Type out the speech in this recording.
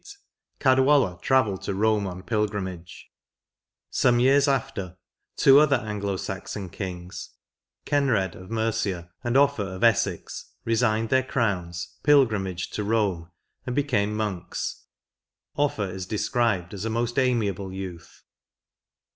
In 688, Ceadwalla travelled to Borne on pilgrimage ; some years after two other Anglo Saxon kings, Cenred of Mercia, and Oflfa of Essex, resigned their crowns, pilgrimaged to Borne, and became monks : Offa is described as a most amiable youth.